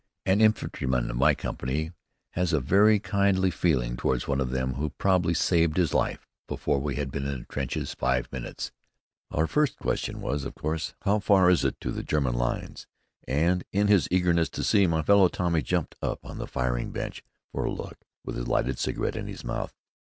An infantryman of my company has a very kindly feeling toward one of them who probably saved his life before we had been in the trenches five minutes. Our first question was, of course, "How far is it to the German lines?" and in his eagerness to see, my fellow Tommy jumped up on the firing bench for a look, with a lighted cigarette in his mouth.